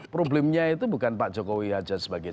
problemnya itu bukan pak jokowi saja sebagai